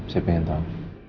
saya pengen tahu